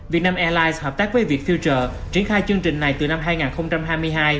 vietnam airlines hợp tác với vietfuture triển khai chương trình này từ năm hai nghìn hai mươi hai